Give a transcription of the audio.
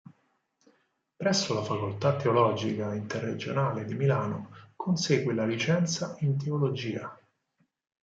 Presso la Facoltà teologica interregionale di Milano consegue la licenza in teologia.